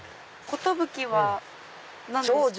「寿」は何ですか？